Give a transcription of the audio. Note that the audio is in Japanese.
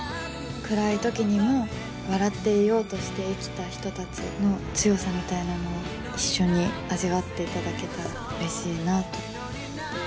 暗い時にも笑っていようとして生きた人たちの強さみたいなものを一緒に味わっていただけたらうれしいなと。